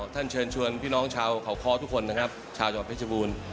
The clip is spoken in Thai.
ท่านเชิญชวนพี่น้องชาวข่าวข้อทุกคนชาวจังหวัดพฤชบูรณ์